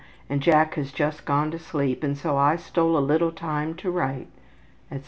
and Jack has just gone to sleep and so I stole a little time to write,'' etc.